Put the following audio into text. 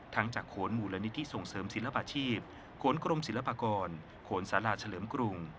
จากโขนมูลนิธิส่งเสริมศิลปาชีพโขนกรมศิลปากรโขนศาลาเฉลิมกรุง